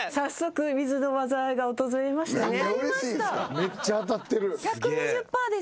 めっちゃ当たってる。